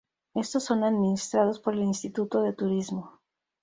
Estos son administrados por el instituto de Turismo.